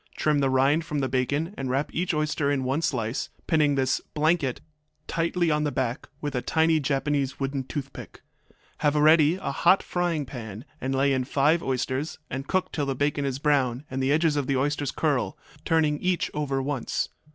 Trim the rind from the bacon and wrap each oyster in one slice, pinning this ``blanket'' tightly on the back with a tiny Japanese wooden toothpick. Have ready a hot frying pan, and lay in five oysters, and cook till the bacon is brown and the edges of the oysters curl, turning each over once.